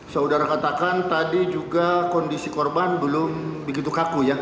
saudara katakan tadi juga kondisi korban belum begitu kaku ya